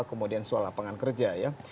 kemudian soal lapangan kerja ya